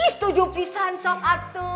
setuju pisan sok atu